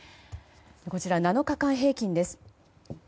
こちら７日間平均です。